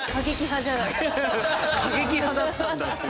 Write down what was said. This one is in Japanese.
過激派だったんだっていう。